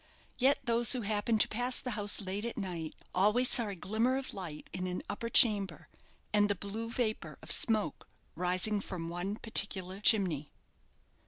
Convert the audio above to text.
Yet those who happened to pass the house late at night always saw a glimmer of light in an upper chamber, and the blue vapour of smoke rising from one particular chimney.